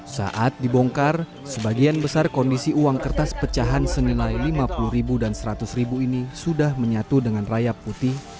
saat dibongkar sebagian besar kondisi uang kertas pecahan senilai lima puluh ribu dan seratus ribu ini sudah menyatu dengan rayap putih